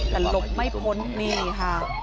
แต่หลบไม่พ้นนี่ค่ะ